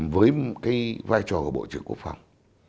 với cái vai trò của bộ trưởng quốc phòng